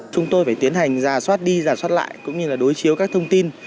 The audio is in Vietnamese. chúng tôi phải tiến hành ra soát đi giả soát lại cũng như là đối chiếu các thông tin